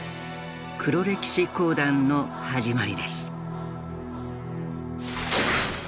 黒歴史講談の始まりです。